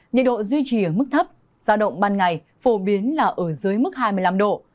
nhiệt độ duy trì ở mức thấp giao động ban ngày phổ biến là ở dưới mức hai mươi năm độ